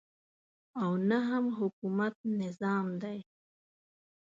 او نه هم حکومت نظام دی.